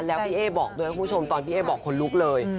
แล้วพี่เอ๊บอกด้วยคุณผู้ชมตอนพี่เอ๊บอกขนลุกเลย